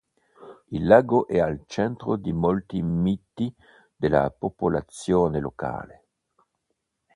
Il lago è al centro di molti miti della popolazione locale.